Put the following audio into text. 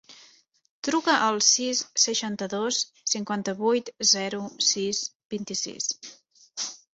Truca al sis, seixanta-dos, cinquanta-vuit, zero, sis, vint-i-sis.